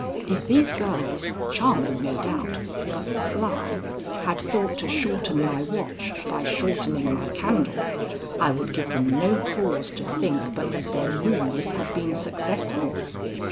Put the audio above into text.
If these girls, charming, no doubt, but sly, had thought to shorten my watch by shortening my candle, I would give them no cause to think but that their ruse had been successful.